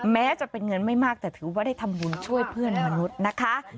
แม้จะเป็นเงินไม่มากแต่ถือว่าได้ทำบุญช่วยเพื่อนมนุษย์นะคะ